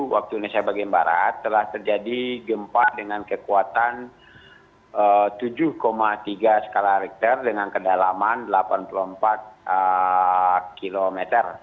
tiga lima puluh tujuh waktu indonesia bagian barat telah terjadi gempa dengan kekuatan tujuh tiga skala rektel dengan kedalaman delapan puluh empat km